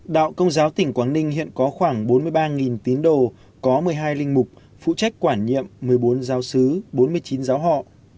đạo công giáo tỉnh quảng ninh hiện có khoảng bốn mươi ba tín đồ có một mươi hai linh mục phụ trách quản nhiệm một mươi bốn giáo sứ bốn mươi chín giáo họ